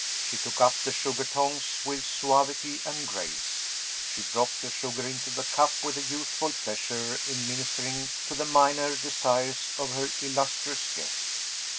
She took up the sugar tongs with suavity and grace; she dropped the sugar into the cup with a youthful pleasure in ministering to the minor desires of her illustrious guest.